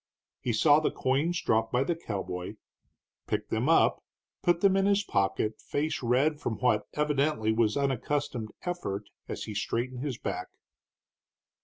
He saw the coins dropped by the cowboy, picked them up, put them in his pocket, face red from what evidently was unaccustomed effort as he straightened his back.